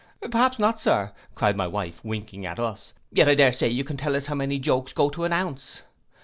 '—'Perhaps not, Sir,' cried my wife, winking at us, 'and yet I dare say you can tell us how many jokes go to an ounce.